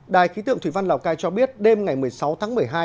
đài khí tượng thủy văn lào cai cho biết đêm ngày một mươi sáu tháng một mươi hai